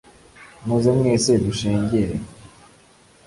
muze mwese, dushengere;